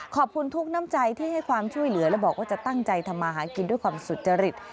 ขอบคุณทุกน้ำใจที่ให้ความช่วยเหลือและบอกว่าจะตั้งใจทำมาหากินด้วยความสุจริต